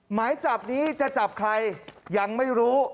หมายจับนี้จะจับใครยังไม่รู้